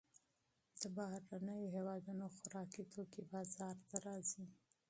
د بهرنیو هېوادونو خوراکي توکي بازار ته راځي.